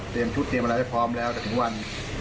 เตรียมชุดอะไรใช่พร้อมแล้วถึงวัน